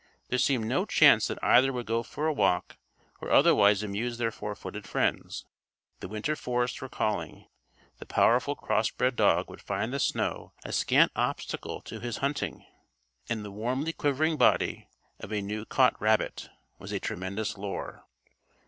There seemed no chance that either would go for a walk or otherwise amuse their four footed friends. The winter forests were calling. The powerful crossbred dog would find the snow a scant obstacle to his hunting. And the warmly quivering body of a new caught rabbit was a tremendous lure.